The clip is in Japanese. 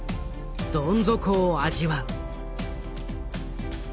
どん底を味わう。